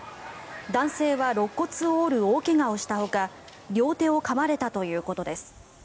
男性はろっ骨を折る大怪我をしたほか両手をかまれたということです。